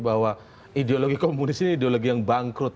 bahwa ideologi komunis ini ideologi yang bangkrut